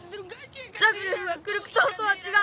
ザグレブはクルク島とはちがう。